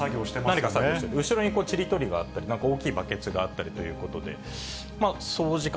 何か作業してる、後ろにちり取りがあったり、何か、大きいバケツがあったりということで、掃除か